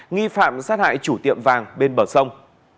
nghi phạm sát hại chủ tiệm vàng bên bờ sông